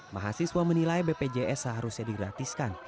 mahasiswa menilai bpjs seharusnya digratiskan